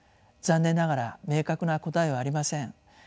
残念ながら明確な答えはありません。